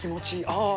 ああ。